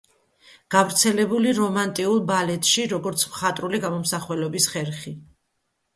გავრცელებული რომანტიულ ბალეტში, როგორც მხატვრული გამომსახველობის ხერხი.